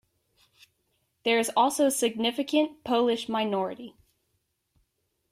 There is also a significant Polish minority.